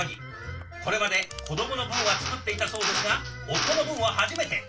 これまで子どもの分は作っていたそうですが夫の分は初めて。